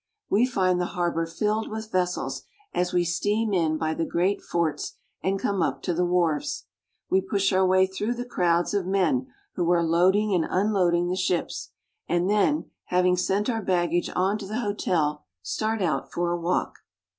We find the harbor filled with vessels as we steam in by the great forts and come up to the wharves. We push our way through the crowds of men who are loading and unloading the ships, and then, having sent our baggage on to the hotel, start out for a walk.